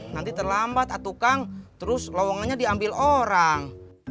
nanti terlambat atukang terus lowongannya diambil orang